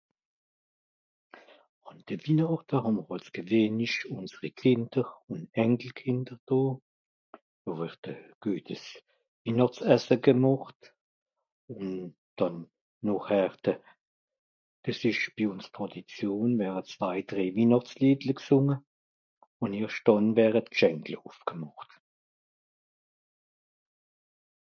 Àn de Wihnàchte hàà-mr àls gewìhnlich ùnseri Kìnder ùn Enkelkìnder do. Noh word guetes Wihnàchtsesse gemàcht. Ùn dànn nochhärte, dìs ìsch bi ùns Tràdition. Mìr haa zwei - drèi Wihnàchtsliedle gsùnge. Ùn (...) wère d'Gschenkle ùfgemàcht.